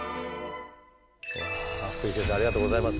福井先生ありがとうございます。